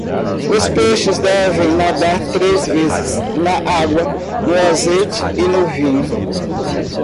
Os peixes devem nadar três vezes: na água, no azeite e no vinho.